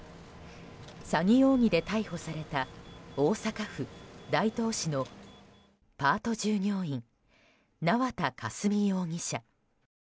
詐欺容疑で逮捕された大阪府大東市のパート従業員縄田佳純容疑者。